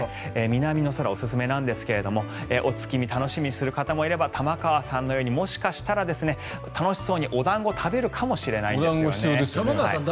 南の空、おすすめなんですがお月見楽しみにする方もいれば玉川さんのようにもしかしたら楽しそうにお団子を食べるかもしれないですね。